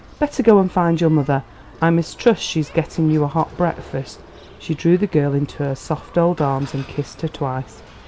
Better go and find your mother. I mistrust she's getting you a hot breakfast." She drew the girl into her soft old arms and kissed her twice.